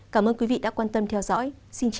cảm ơn quý vị đã quan tâm theo dõi xin chào và hẹn gặp lại